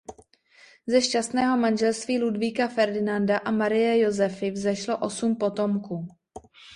Ze šťastného manželství Ludvíka Ferdinanda a Marie Josefy vzešlo osm potomků.